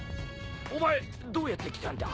お前どうやって来たんだ？